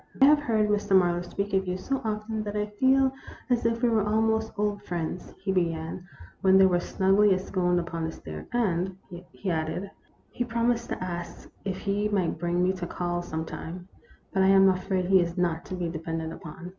I have heard Mr. Marlow speak of you so often that I feel as if we were almost old friends," he began, when they were snugly ensconced upon the stairs; "and," he added, "he promised to ask if he might bring me to call some time; but I am afraid he is not to be depended upon.